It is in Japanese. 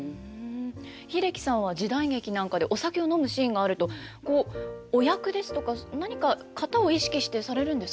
英樹さんは時代劇なんかでお酒を飲むシーンがあるとこうお役ですとか何か型を意識してされるんですか？